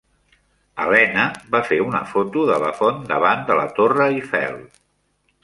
Elena va fer una foto de la font davant de la Torre Eiffel.